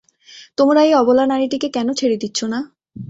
তোমরা এই অবলা নারীটিকে কেন ছেড়ে দিচ্ছ না?